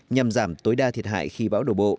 nhằm giảm tối đa thiệt hại khi bão đổ bộ